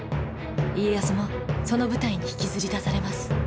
家康もその舞台に引きずり出されます。